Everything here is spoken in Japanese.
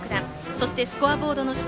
そして、スコアボードの下。